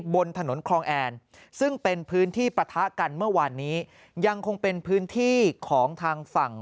บนถนนคลองแอนซึ่งเป็นพื้นที่ปะทะกันเมื่อวานนี้ยังคงเป็นพื้นที่ของทางฝั่ง